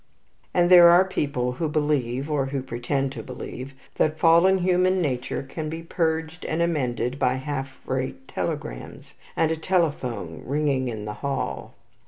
And there are people who believe, or who pretend to believe, that fallen human nature can be purged and amended by half rate telegrams, and a telephone ringing in the hall.